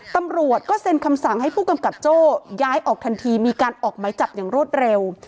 ตำรวจก็เซ็นคำสั่งให้ผู้กำกับโจ้ย้ายออกทันทีมีการออกไหมจับอย่างรวดเร็ว